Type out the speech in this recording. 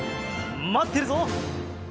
まってるぞ！